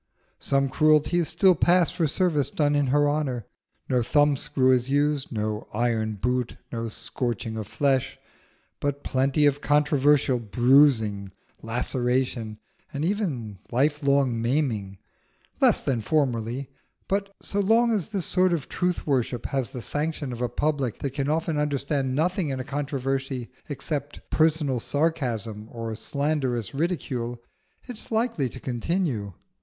Some cruelties still pass for service done in her honour: no thumb screw is used, no iron boot, no scorching of flesh; but plenty of controversial bruising, laceration, and even lifelong maiming. Less than formerly; but so long as this sort of truth worship has the sanction of a public that can often understand nothing in a controversy except personal sarcasm or slanderous ridicule, it is likely to continue.